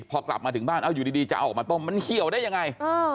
พอกลับมาถึงบ้านเอาอยู่ดีจะเอาออกมาต้มมันเหี่ยวได้ยังไง